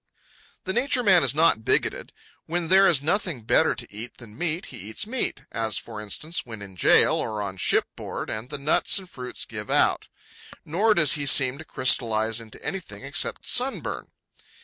The Nature Man is not bigoted. When there is nothing better to eat than meat, he eats meat, as, for instance, when in jail or on shipboard and the nuts and fruits give out. Nor does he seem to crystallize into anything except sunburn.